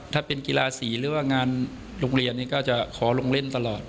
ถ้าเป็นกีฬาสี่หรืองานโลกเรียนเกิดก็จะขอลงเล่นตะลด